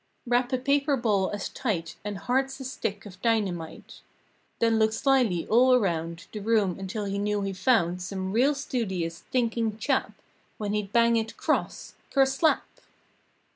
Wrap a paper ball as tight And hard's a stick of dynamite— Then look slyly all around The room until he knew he found Some real studious, thinking chap When he'd bang it 'cross—kerslap!